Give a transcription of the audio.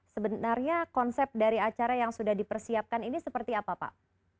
sebenarnya konsep dari acara yang sudah dipersiapkan ini seperti apa pak